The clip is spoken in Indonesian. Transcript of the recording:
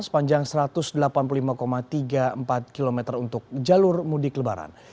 sepanjang satu ratus delapan puluh lima tiga puluh empat km untuk jalur mudik lebaran